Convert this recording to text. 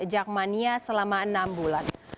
jakmania selama enam bulan